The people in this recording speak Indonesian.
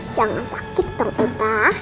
jangan sakit terutama